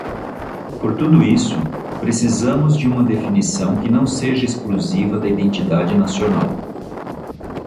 Por tudo isso, precisamos de uma definição que não seja exclusiva da identidade nacional.